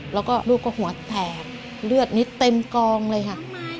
แล้วก็ลูกก็หัวแตกเลือดนิดเต็มกองเลยค่ะ